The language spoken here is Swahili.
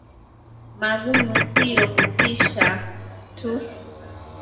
Magumu sio kufisha tu